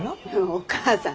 お義母さん